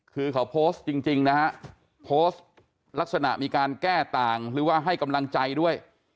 คือเขาโพสต์จริงนะฮะโพสต์ลักษณะมีการแก้ต่างหรือว่าให้กำลังใจด้วย